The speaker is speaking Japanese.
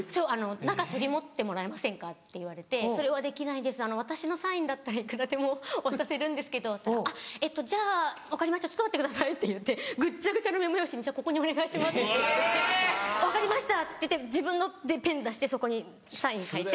「仲取り持ってもらえませんか？」って言われて「それはできないです私のサインだったらいくらでも渡せるんですけど」って言ったら「じゃあ分かりましたちょっと待ってください」って言ってグッチャグチャのメモ用紙に「じゃあここにお願いします」って言われ「分かりました」って言って自分でペン出してそこにサイン書いて。